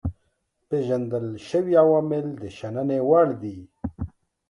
پيژندل شوي عوامل د شنني وړ دي.